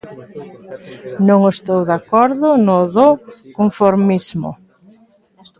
Non estou de acordo no do conformismo.